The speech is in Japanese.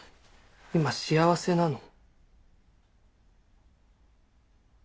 今幸せなの？